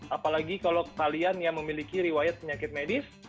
apalagi kalau kalian yang memiliki riwayat penyakit medis